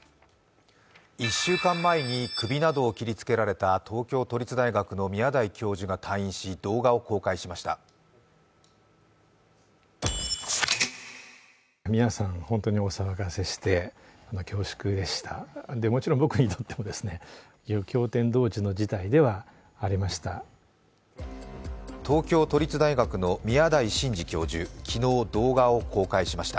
１週間前に首などを切りつけられた東京都立大学の宮台教授が退院し動画を公開しました。